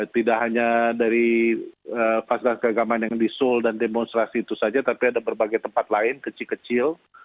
tidak hanya dari fasilitas keagamaan yang di seoul dan demonstrasi itu saja tapi ada berbagai tempat lain kecil kecil